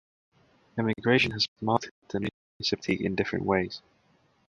Emigration has marked the municipality in different ways.